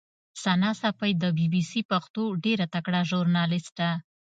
ثنا ساپۍ د بي بي سي پښتو ډېره تکړه ژورنالیسټه